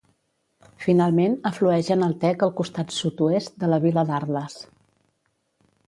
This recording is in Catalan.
Finalment, aflueix en el Tec al costat sud-oest de la vila d'Arles.